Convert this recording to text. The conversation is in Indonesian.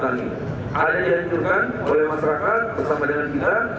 ada yang dianjurkan oleh masyarakat bersama dengan kita